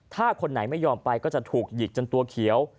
ถ้าคนไหนไม่ยอมไปก็จะถูกหยิกจนตัวเขียว